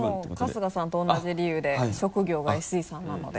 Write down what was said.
春日さんと同じ理由で職業がＳＥさんなので。